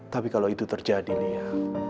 tapi kalau itu terjadi lya